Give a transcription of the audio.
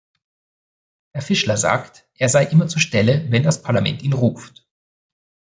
Herr Fischler sagt, er sei immer zur Stelle, wenn das Parlament ihn ruft.